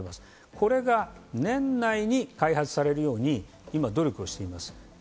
これが年内に開発されるように、今、努力をしています。